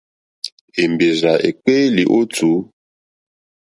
Èmbèrzà èkpéélì ó tùú.